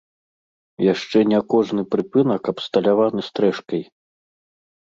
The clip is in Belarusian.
Яшчэ не кожны прыпынак абсталяваны стрэшкай.